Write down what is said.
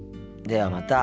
ではまた。